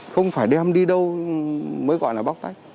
không phải đem đi đâu mới gọi là bóc tách